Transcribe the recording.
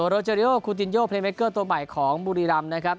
โรเจอริโอคูติดโยตัวใหม่ของบุรีรัมย์นะครับ